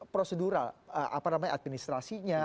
prosedural apa namanya administrasinya